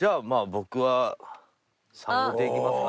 僕は３号艇いきますかね。